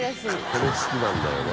これ好きなんだよね